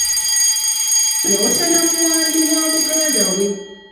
Yawasa nnamwandu wa muganda we.